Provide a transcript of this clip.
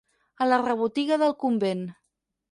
A la rebotiga del convent.